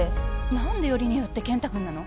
何でよりによって健太君なの？